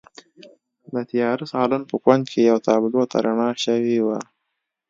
د تیاره سالون په کونج کې یوې تابلو ته رڼا شوې وه